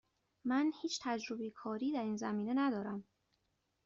من هیچ تجربه کاری در این زمینه ندارم.